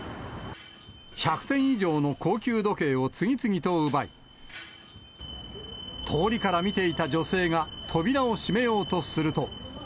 １００点以上の高級時計を次々と奪い、通りから見ていた女性が扉を閉めようとすると。